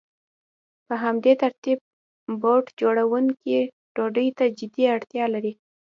په همدې ترتیب بوټ جوړونکی ډوډۍ ته جدي اړتیا لري